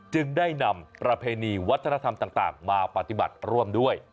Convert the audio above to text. จึงได้นำประเพณีวัฒนธรรมต่างมาปฏิบัติร่วมด้วย